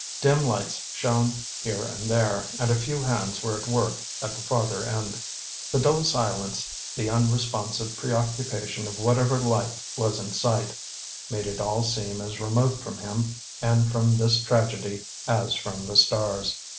Dim lights shone here and there, and a few hands were at work at the farther end. The dull silence, the unresponsive preoccupation of whatever life was in sight, made it all seem as remote from him and from this tragedy as from the stars.